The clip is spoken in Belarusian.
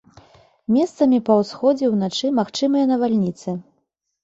Месцамі па ўсходзе ўначы магчымыя навальніцы.